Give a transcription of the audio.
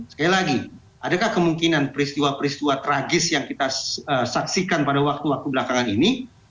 sekali lagi adakah kemungkinan peristiwa peristiwa tragis yang kita saksikan pada waktu waktu belakangan ini